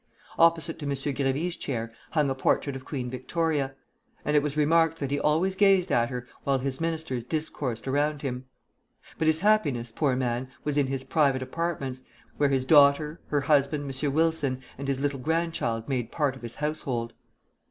Opposite to M. Grévy's chair hung a portrait of Queen Victoria; and it was remarked that he always gazed at her while his ministers discoursed around him. But his happiness, poor man! was in his private apartments, where his daughter, her husband, M. Wilson, and his little grandchild made part of his household.